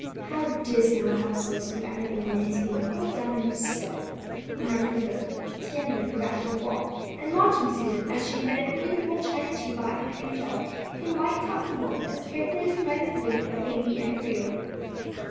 "How dismal a house looks when everything in it is being pulled down and upset!" remarked the cook, standing with her back to the wall, and watching Susan as she imbedded quaint old china tea pot and cream jug in white cotton wool as carefully as she might have laid a baby in a cradle.